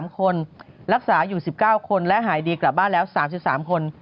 ๓คนรักษาอยู่๑๙คนและหายดีกลับบ้านแล้ว๓๓คน